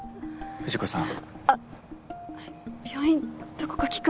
藤子さん！